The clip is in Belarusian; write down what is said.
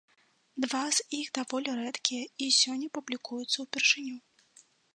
Два з іх даволі рэдкія і сёння публікуюцца ўпершыню.